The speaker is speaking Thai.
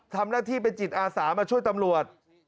ทำหน้าที่เป็นจิตอาสามาช่วยตำรวจ